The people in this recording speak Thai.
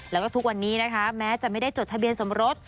แล้วก็ทุกวันนี้นะคะแม้จะไม่ได้จดทะเบียนสมรส